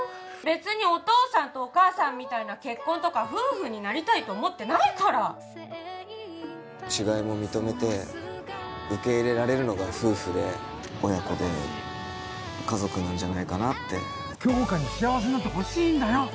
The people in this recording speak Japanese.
別にお父さんとお母さんみたいな結婚とか夫婦になりたいと思ってないから違いも認めて受け入れられるのが夫婦で親子で家族なんじゃないかなって杏花に幸せになってほしいんだよ